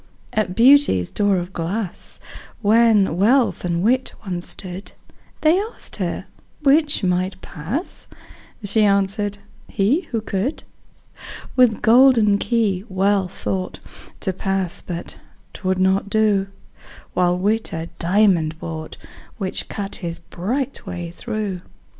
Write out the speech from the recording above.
At Beauty's door of glass, When Wealth and Wit once stood, They asked her 'which might pass?" She answered, "he, who could." With golden key Wealth thought To pass but 'twould not do: While Wit a diamond brought, Which cut his bright way through.